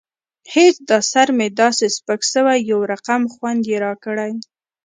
هېڅ دا سر مې داسې سپک سوى يو رقم خوند يې راکړى.